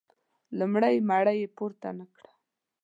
لومړۍ مړۍ یې پورته نه کړه.